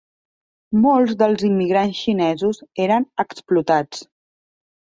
Molts dels immigrants xinesos eren explotats.